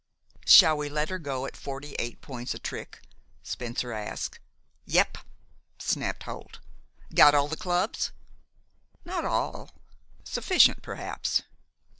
"Shall we let her go at forty eight points a trick?" Spencer asked. "Yep!" snapped Holt. "Got all the clubs?" "Not all sufficient, perhaps."